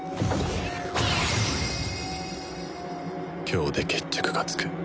今日で決着がつく